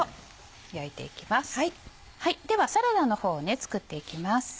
ではサラダの方を作っていきます。